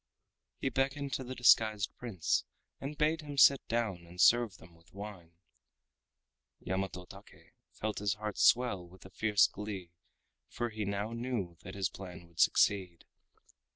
He beckoned to the disguised Prince and bade him sit down and serve them with wine. Yamato Take felt his heart swell with a fierce glee for he now knew that his plan would succeed.